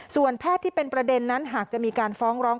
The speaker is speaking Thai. ส่วนแพทย์ที่เป็นประเด็นนั้นหากจะมีการฟ้องร้อง